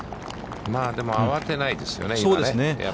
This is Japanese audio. でも慌てないですよね。